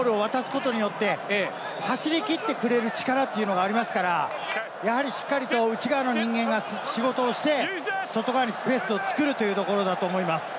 彼をフリーにして、いいボールを渡すことによって走り切ってくれる力というのがありますから、しっかりと内側の人間が仕事をして、外側にスペースを作るというところだと思います。